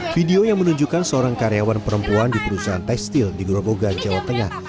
video yang menunjukkan seorang karyawan perempuan di perusahaan tekstil di gerobogan jawa tengah